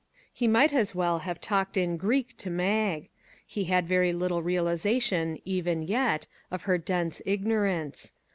He might as well have talked in Greek to Mag. He had very little realization, even yet, of her dense ignorance.